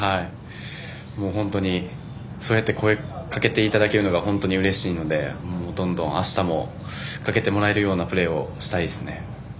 本当にそうやって声をかけていただけるのが本当にうれしいのでどんどんあしたもかけてもらえるようなプレーをしたいですね。